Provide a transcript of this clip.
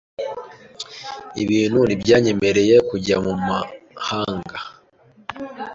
Ibintu ntibyanyemereye kujya mu mahanga.